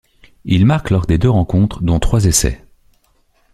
Il marque lors des deux rencontres, dont trois essais.